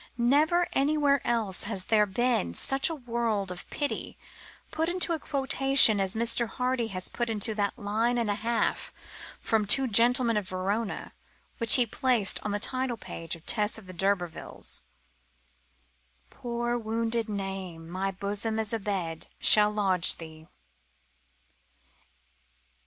Never anywhere else has there been such a world of pity put into a quotation as Mr. Hardy has put into that line and a half from The Two Gentlemen of Verona, which he placed on the title page of Tess of the D'Urbervilles: Poor wounded name, my bosom as a bed Shall lodge thee!